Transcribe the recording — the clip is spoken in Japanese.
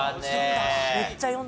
めっちゃ読んだのに。